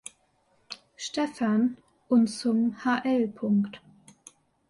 Stefan und zum hl.